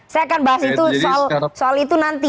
saya akan bahas itu soal itu nanti